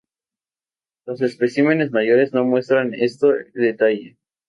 Los especímenes mayores no muestran este detalle.